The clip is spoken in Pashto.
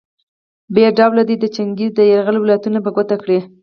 ب ډله دې د چنګیز د یرغل ولایتونه په ګوته کړي.